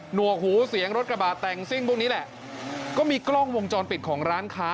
วกหูเสียงรถกระบาดแต่งซิ่งพวกนี้แหละก็มีกล้องวงจรปิดของร้านค้า